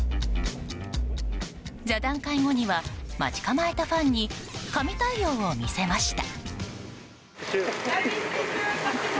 座談会後には待ち構えたファンに神対応を見せました。